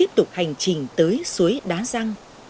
tiếp tục hành trình tới suối đá răng